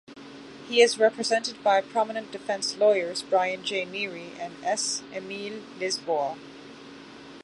He is represented by prominent defense lawyers Brian J. Neary and S. Emile Lisboa.